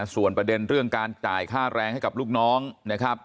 ส่วนประเด็นเรื่องการจ่ายค่าแรงให้กับลูกน้องนะครับ